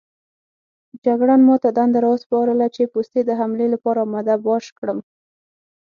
جګړن ما ته دنده راوسپارله چې پوستې د حملې لپاره اماده باش کړم.